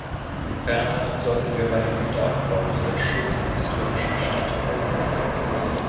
Ferner sollten wir beim Wiederaufbau dieser schönen historischen Stadt helfen.